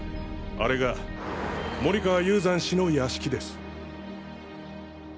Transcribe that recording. あれが森川雄山氏の屋敷です。